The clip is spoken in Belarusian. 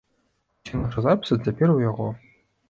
Усе нашы запісы цяпер у яго.